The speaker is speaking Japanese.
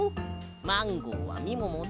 マンゴーはみももで。